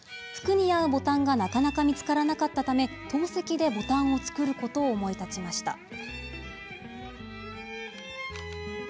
服に合うボタンがなかなか見つからなかったため陶石でボタンを作ることを思い立ちました。